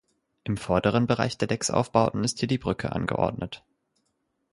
Im vorderen Bereich der Decksaufbauten ist hier die Brücke angeordnet.